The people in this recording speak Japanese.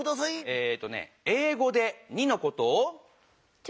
えとねえい語で「２」のことを？